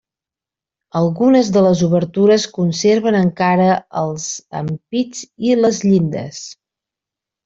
Algunes de les obertures conserven encara els ampits i les llindes.